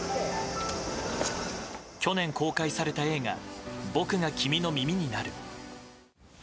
去年公開された映画「僕が君の耳になる」。